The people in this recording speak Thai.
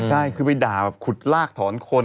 ใช่คือไปด่าแบบขุดลากถอนคน